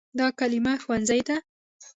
دا کلمه “ښوونځی” ده.